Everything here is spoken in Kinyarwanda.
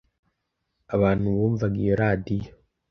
Abantu bumvaga iyo radio